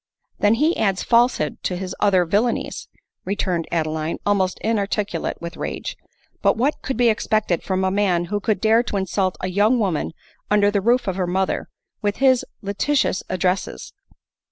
" Then he adds falsehood to his' other villauies !" re turned Adeline, almost inarticulate with rage ;" but what could be expected from a man who could dare to insult a young woman under the roof of her mother, with his licentious addresses